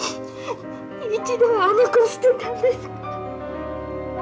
一度はあの子を捨てたんですから。